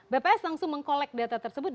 bps langsung mengkolek data tersebut